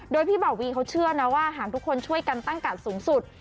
โดยพี่เบาวีเขาเชื่อนะว่าหากทุกคนช่วยกันตั้งกาดสูงสุด